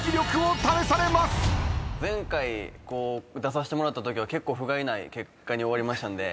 前回出させてもらったときはふがいない結果に終わったんで。